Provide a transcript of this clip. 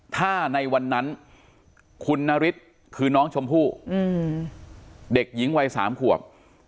ถ้าในวันนั้นคุณนฤทธิ์คือน้องชมพู่เด็กหญิงวัย๓ขวบ